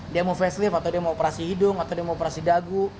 dia mau facelift atau dia mau operasi hidung atau dia mau operasi dagu